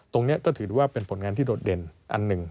ตรงนี้ก็ถือว่าเป็นผลงานที่โดดเด่นอันหนึ่ง